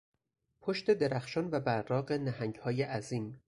پشت درخشان و براق نهنگهای عظیم